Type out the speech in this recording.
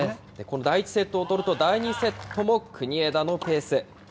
この第１セットを取ると、第２セットも国枝のペース。